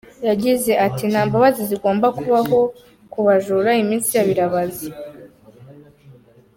Yagize ati “Nta mbabazi zigomba kubaho ku bajura; iminsi yabo irabaze.